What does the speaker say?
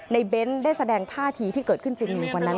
ในเบนส์ได้แสดงท่าทีที่เกิดขึ้นจริงกว่านั้น